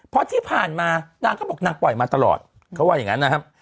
เพราะที่ผ่านมานางก็บอกนางปล่อยมาตลอดเขาว่าอย่างนั้นนะครับ